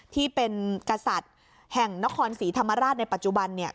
ที่เป็นกษัตริย์แห่งนครศรีธรรมราชในปัจจุบันเนี่ย